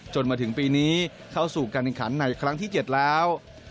มาถึงปีนี้เข้าสู่การแข่งขันในครั้งที่๗แล้ว